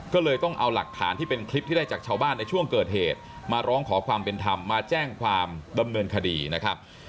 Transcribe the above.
ก็เลยต้องเอาหลักฐานที่เป็นคลิปที่ได้จากชาวบ้านในช่วงเกิดเหตุมาร้องขอความเป็นธรรมมาแจ้งความดำเนินคดีนะครับ